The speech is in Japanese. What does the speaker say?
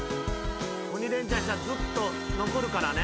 鬼レンチャンしたらずっと残るからね。